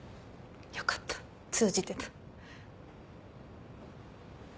よかった通じてた。